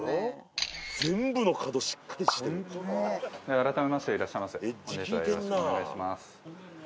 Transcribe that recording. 改めましていらっしゃいませ本日はよろしくお願いします